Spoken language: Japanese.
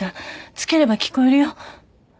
つければ聞こえるよ。